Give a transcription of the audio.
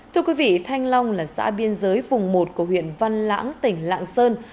thưa quý vị thanh long là xã biên giới vùng một của huyện văn lãng tỉnh lạng sơn